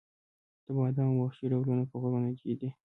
د بادامو وحشي ډولونه په غرونو کې دي؟